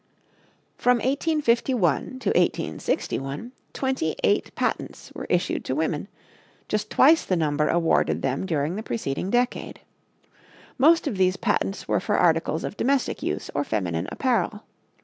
From 1851 to 1861, twenty eight patents were issued to women just twice the number awarded them during the preceding decade. Most of these patents were for articles of domestic use or feminine apparel.